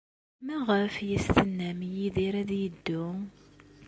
Maɣef ay as-tennam i Yidir ad yeddu?